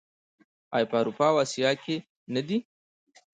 آیا په اروپا او اسیا کې نه دي؟